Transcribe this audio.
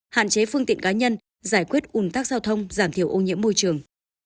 hạn chế phương tiện cá nhân giải quyết ùn tác giao thông giảm thiểu ô nhiễm môi trường